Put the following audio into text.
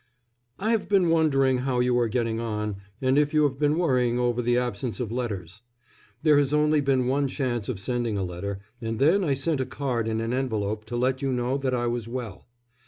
] I have been wondering how you are getting on, and if you have been worrying over the absence of letters. There has only been one chance of sending a letter, and then I sent a card in an envelope to let you know that I was well.